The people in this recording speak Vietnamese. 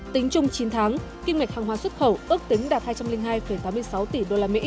tính chung chín tháng kim ngạch hàng hóa xuất khẩu ước tính đạt hai trăm linh hai tám mươi sáu tỷ usd